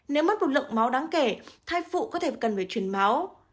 nếu mất một lượng máu đáng kể thai phụ có thể cần phải chuyển máu